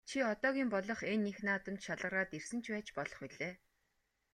Чи одоогийн болох энэ их наадамд шалгараад ирсэн ч байж болох билээ.